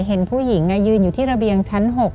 เห็นผู้หญิงยืนอยู่ที่ระเบียงชั้น๖